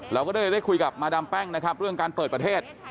เราก็ได้คุยกับมาดามแป้งเรื่องการเปิดประเทศ